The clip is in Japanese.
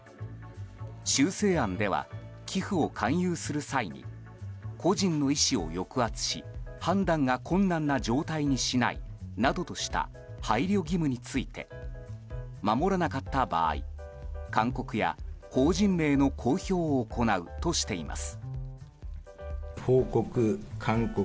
修正案では、寄付を勧誘する際に個人の意思を抑圧し、判断が困難な状態にしないなどとした配慮義務について守らなかった場合勧告や法人名の公表を行うとしています。